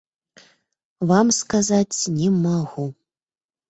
Вам сказаць не магу.